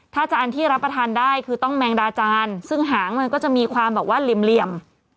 ถ้าจานที่รับประทานได้คือต้องแมงดาจานซึ่งหางมันก็จะมีความแบบว่าเหลี่ยม